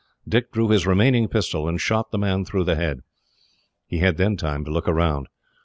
Dick drew his remaining pistol, and shot the man through the head. He had then time to look round.